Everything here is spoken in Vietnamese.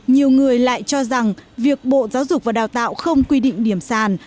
nhiều người lại cho rằng việc bộ giáo dục và đào tạo không quy định điểm sàn